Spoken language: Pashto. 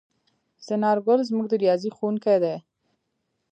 څنارګل زموږ د ریاضي ښؤونکی دی.